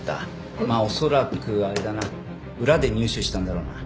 まあ恐らくあれだな裏で入手したんだろうな。